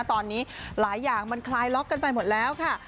ตอนนี้หลายอย่างมันคลายล็อกกันไปหมดแล้วค่ะ